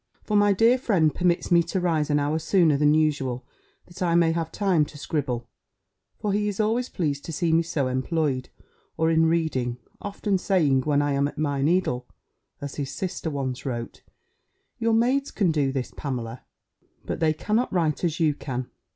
For my dear friend permits me to rise an hour sooner than usual, that I may have time to scribble; for he is always pleased to see me so employed, or in reading; often saying, when I am at my needle, (as his sister once wrote) "Your maids can do this, Pamela: but they cannot write as you can."